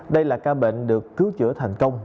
đây là ca bệnh được cứu chữa thành công